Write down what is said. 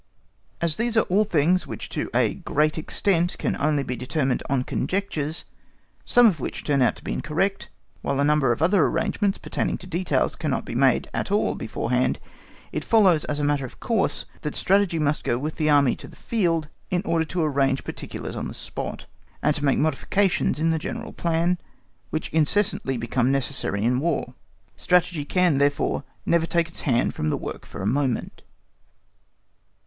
As these are all things which to a great extent can only be determined on conjectures some of which turn out incorrect, while a number of other arrangements pertaining to details cannot be made at all beforehand, it follows, as a matter of course, that Strategy must go with the Army to the field in order to arrange particulars on the spot, and to make the modifications in the general plan, which incessantly become necessary in War. Strategy can therefore never take its hand from the work for a moment.